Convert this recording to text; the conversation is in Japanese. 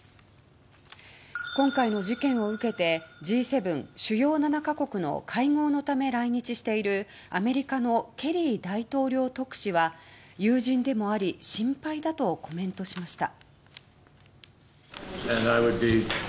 今回の事件を受けてＧ７・主要７か国の会合のため来日しているアメリカのケリー大統領特使は友人でもあり心配だとコメントしました。